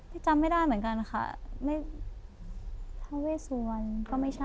ไม่จำไม่ได้เหมือนกันค่ะฮาวเวสุวรรณก็ไม่ใช่